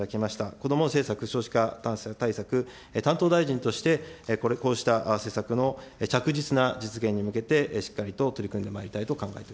こども政策少子化対策担当大臣として、こうした施策の着実な実現に向けてしっかりと取り組んでまいりた